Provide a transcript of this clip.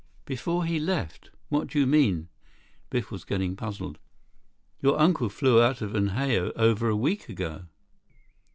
"Before he left? What do you mean?" Biff was getting puzzled. "Your uncle flew out of Unhao over a week ago."